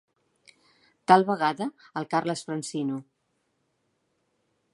Tal vegada el Carles Francino.